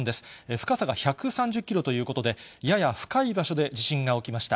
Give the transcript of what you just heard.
深さが１３０キロということで、やや深い場所で地震が起きました。